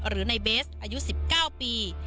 หรือในเบสอายุ๑๙ปี